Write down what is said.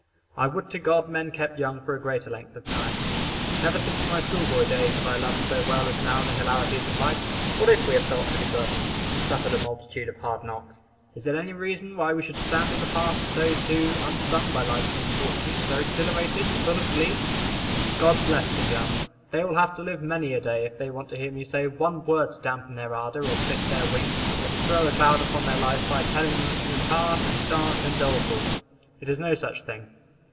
I would to God men kept young for a greater length of time. Never since my school boy days have I loved so well as now the hilarities of life. What if we have felt heavy burdens, and suffered a multitude of hard knocks, is it any reason why we should stand in the path of those who, unstung by life's misfortunes, are exhilarated and full of glee? God bless the young! They will have to live many a day if they want to hear me say one word to dampen their ardor or clip their wings, or to throw a cloud upon their life by telling them that it is hard, and dark, and doleful. It is no such thing.